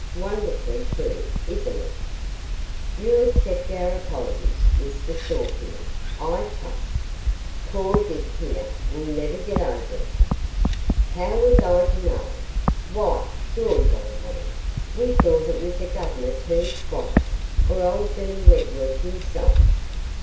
Wonderfully true, isn't it? You'll accept our apologies, Mr. Storefield, I trust. Poor Dick here will never get over it.' 'How was I to know? Why, George, old man, we thought it was the Governor turned squatter, or old Billy Wentworth himself.